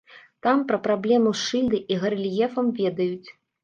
Там пра праблему з шыльдай і гарэльефам ведаюць.